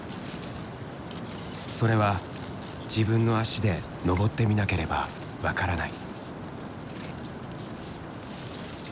それは自分の足で登ってみなければ分からない。